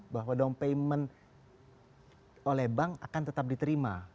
bahwa down payment oleh bank akan tetap diterima